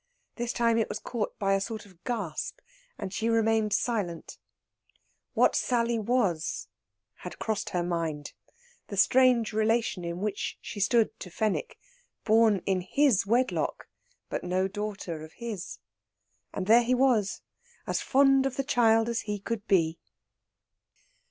This time it was caught by a sort of gasp, and she remained silent. What Sally was had crossed her mind the strange relation in which she stood to Fenwick, born in his wedlock, but no daughter of his. And there he was, as fond of the child as he could be.